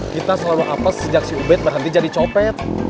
kita selalu apes sejak si ubed berhenti jadi copet